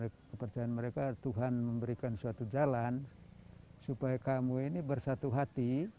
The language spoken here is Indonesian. kepercayaan mereka tuhan memberikan suatu jalan supaya kamu ini bersatu hati